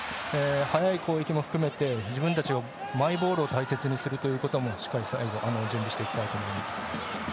速い攻撃も含めてマイボールを大切にするということもしっかり準備していきたいと思います。